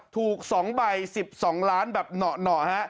ถูก๒ใบ๑๒ล้านแบบเหนาะเหนาะฮะ